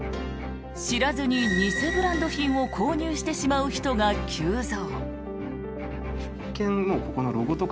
知らずに偽ブランド品を購入してしまう人が急増。